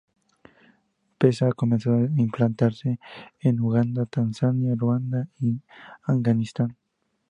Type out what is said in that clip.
M-Pesa ha comenzado a implantarse en Uganda, Tanzania, Ruanda y Afganistán.